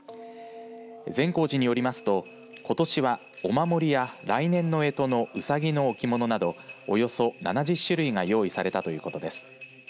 善光寺によりますと、ことしはお守りや来年のえとのうさぎの置物などおよそ７０種類が用意されたということです。